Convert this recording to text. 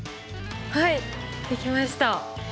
はいできました。